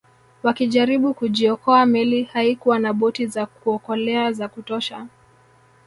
Wakijaribu kujiokoa meli haikuwa na boti za kuokolea za kutosha